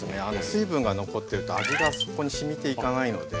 水分が残ってると味がそこにしみていかないので。